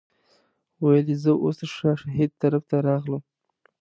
ویل یې زه اوس د شاه شهید طرف ته راغلم.